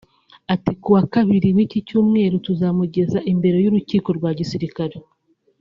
Ati “Kuwa Kabiri w’iki cyumweru tuzamugeza imbere y’urukiko rukuru rwa gisirikare